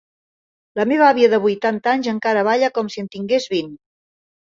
La meva àvia de vuitanta anys encara balla com si en tingués vint.